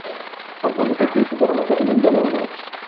আপনাকে দিয়ে ডিউটি করানো কঠিন বলে মনে হচ্ছে।